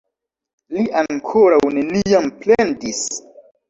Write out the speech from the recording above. Li ankoraŭ neniam plendis.